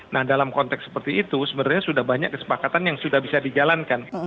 nah dalam konteks seperti itu sebenarnya sudah banyak kesepakatan yang sudah bisa dijalankan